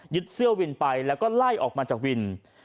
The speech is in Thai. เสื้อวินไปแล้วก็ไล่ออกมาจากวิน